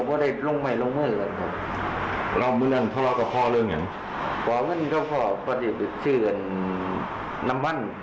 วัคดิบปิดเจือนน้ำมัน